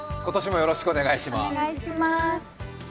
今年もよろしくお願いします。